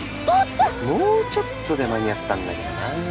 もうちょっとで間に合ったんだけどなあ。